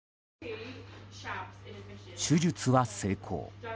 手術は成功。